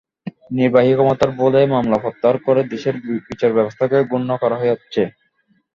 নির্বাহী ক্ষমতার বলে মামলা প্রত্যাহার করে দেশের বিচারব্যবস্থাকে ক্ষুণ্ন করা হচ্ছে।